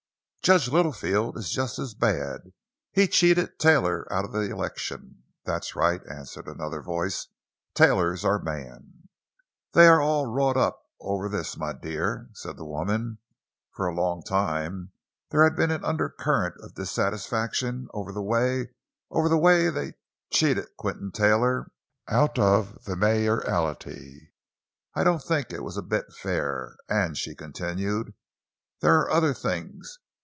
"Judge Littlefield is just as bad—he cheated Taylor out of the election!" "That's right," answered another voice. "Taylor's our man!" "They are all wrought up over this, my dear," said the woman. "For a long time there has been an undercurrent of dissatisfaction over the way they cheated Quinton Taylor out of the mayoralty. I don't think it was a bit fair. And," she continued, "there are other things.